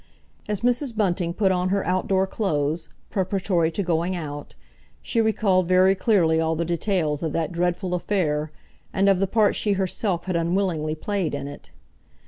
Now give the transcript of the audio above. As Mrs. Bunting put on her outdoor clothes, preparatory to going out, she recalled very clearly all the details of that dreadful affair, and of the part she herself had unwillingly played in it.